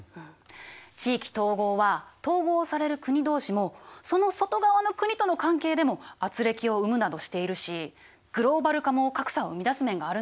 地域統合は統合される国同士もその外側の国との関係でも軋轢を生むなどしているしグローバル化も格差を生み出す面があるんだよね。